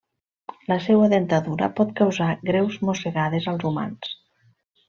La seua dentadura pot causar greus mossegades als humans.